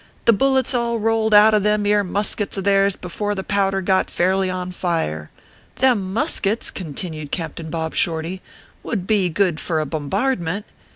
" The bullets all rolled out of them ere muskets of theirs before the powder got fairly on fire. Them muskets/ continued Captain Bob Shorty, "would be good for a bombardment.